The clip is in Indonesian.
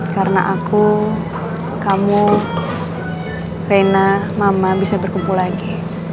karena aku kamu rina mama bisa berkumpul lagi